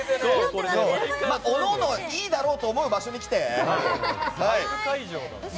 各々、いいだろうと思う場所に来て。